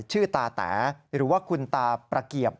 ตาแต๋หรือว่าคุณตาประเกียบ